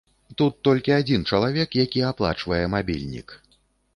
Тут толькі адзін чалавек, які аплачвае мабільнік.